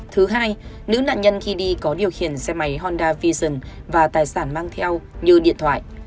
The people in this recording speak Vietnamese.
thứ hai nữ nạn nhân khi đi có điều khiển xe máy honda vision và tài sản mang theo như điện thoại